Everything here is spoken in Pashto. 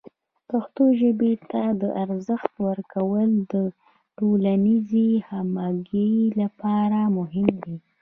پښتو ژبې ته د ارزښت ورکول د ټولنیزې همغږۍ لپاره مهم دی.